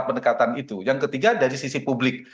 pendekatan itu yang ketiga dari sisi publik